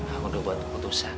aku udah buat keputusan